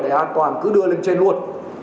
để an toàn cứ đưa lên trên luôn